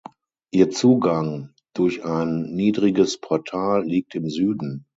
Ihr Zugang, durch ein niedriges Portal, liegt im Süden.